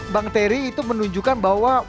bang terry itu menunjukkan bahwa